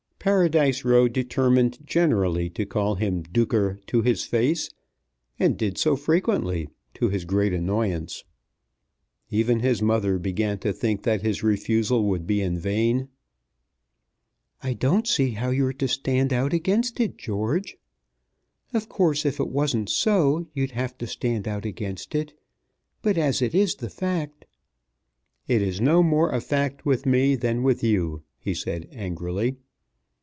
Paradise Row determined generally to call him Duker to his face, and did so frequently, to his great annoyance. Even his mother began to think that his refusal would be in vain. "I don't see how you're to stand out against it, George. Of course if it wasn't so you'd have to stand out against it; but as it is the fact " "It is no more a fact with me than with you," he said angrily.